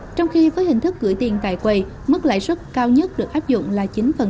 trong khi với hình thức gửi tiền tại quầy mức lãi suất cao nhất được áp dụng là chín